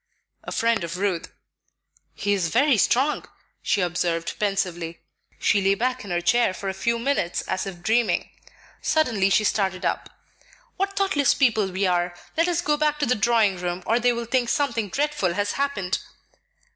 "A friend of Ruth." "He is very strong," she observed pensively. She lay back in her chair for a few minutes as if dreaming. Suddenly she started up. "What thoughtless people we are! Let us go back to the drawing room, or they will think something dreadful has happened."